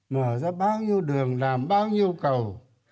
mở ra bao nhiêu đường làm bao nhiêu cầu